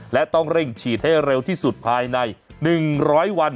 และต้องเร่งฉีดให้เร็วที่สุดภายใน๑๐๐วัน